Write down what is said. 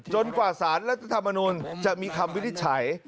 กว่าสารรัฐธรรมนุนจะมีคำวินิจฉัย